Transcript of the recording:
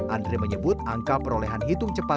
andre menyebut angka perolehan hitung cepat